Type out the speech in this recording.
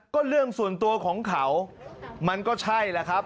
ก็เรื่องส่วนตัวของเขามันก็ใช่แหละครับ